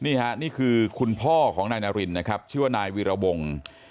นี่ค่ะนี่คือคุณพ่อของนายนารินนะครับชื่อว่านายวีรวงศ์